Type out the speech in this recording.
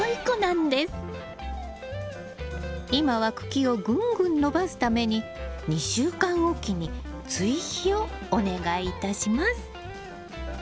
今は茎をぐんぐん伸ばすために２週間おきに追肥をお願いいたします。